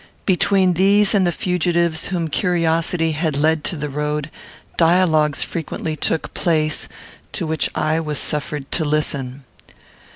Between these and the fugitives whom curiosity had led to the road, dialogues frequently took place, to which I was suffered to listen.